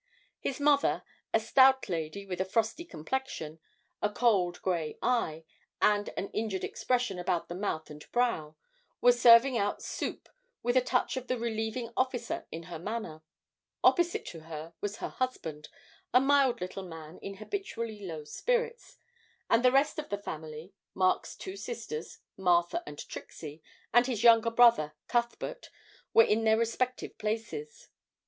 His mother, a stout lady with a frosty complexion, a cold grey eye, and an injured expression about the mouth and brow, was serving out soup with a touch of the relieving officer in her manner; opposite to her was her husband, a mild little man in habitually low spirits; and the rest of the family, Mark's two sisters, Martha and Trixie, and his younger brother, Cuthbert, were in their respective places.